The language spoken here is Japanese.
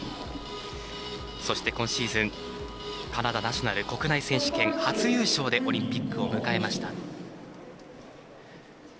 そして、今シーズンカナダナショナル国内選手権、初優勝でオリンピックを迎えました。